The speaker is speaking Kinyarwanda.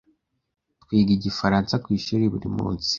Twiga Igifaransa ku ishuri buri munsi.